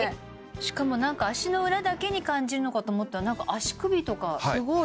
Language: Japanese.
しかもなんか足の裏だけに感じるのかと思ったらなんか足首とかすごい！